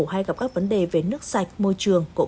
hay gặp các vấn đề về nước sạch môi trường